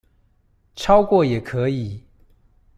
超過也可以